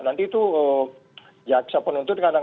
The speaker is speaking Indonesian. nanti itu jaksa penuntut kadang